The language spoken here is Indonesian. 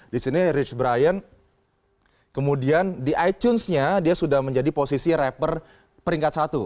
di sini rich brian kemudian di itunes nya dia sudah menjadi posisi rapper peringkat satu